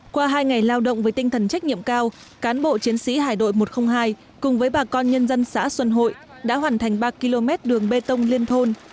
qua hai ngày lao động với tinh thần trách nhiệm cao cán bộ chiến sĩ hải đội một trăm linh hai cùng với bà con nhân dân xã xuân hội đã hoàn thành ba km đường bê tông liên thôn